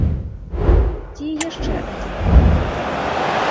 Ці яшчэ адзін прыклад.